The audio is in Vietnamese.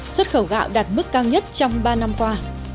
xuất khẩu gạo đạt mức cao nhất trong ba năm qua